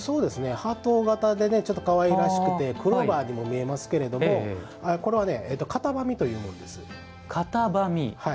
ハート形でちょっと、かわいらしくてクローバーにも見えますけれどもこれは、片喰という紋です。